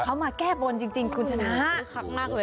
เค้ามาแก้บวนจริงคุณชนะฮะ